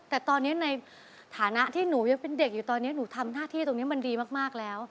แต่ตอนนี้ในฐานะที่หนูยังเป็นเด็กอยู่ตอนนี้หนูทำหน้าที่ตรงนี้มันดีมากแล้ว